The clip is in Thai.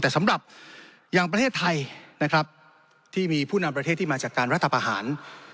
แต่สำหรับอย่างประเทศไทยนะครับที่มีผู้นำประเทศที่มาจากการรัฐประหาร